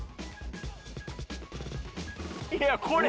いやこれ。